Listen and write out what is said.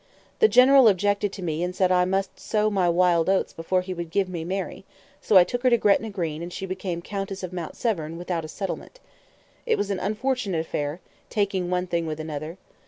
The general objected to me and said I must sow my wild oats before he would give me Mary; so I took her to Gretna Green, and she became Countess of Mount Severn, without a settlement. It was an unfortunate affair, taking one thing with another.